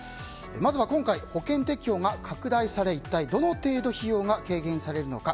まずは今回、保険適用が拡大され一体どの程度費用が軽減されるのか。